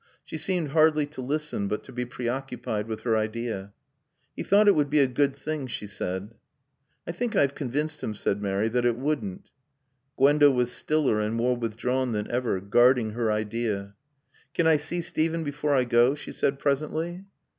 She seemed hardly to listen but to be preoccupied with her idea. "He thought it would be a good thing," she said. "I think I've convinced him," said Mary, "that it wouldn't." Gwenda was stiller and more withdrawn than ever, guarding her idea. "Can I see Steven before I go?" she said presently.